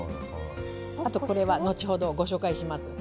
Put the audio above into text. あとこれは後ほどご紹介します。え？